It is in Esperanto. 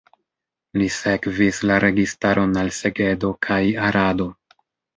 Li sekvis la registaron al Segedo kaj Arado.